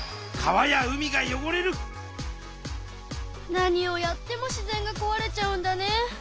何をやっても自然が壊れちゃうんだね。